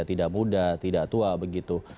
tidak muda tidak tua begitu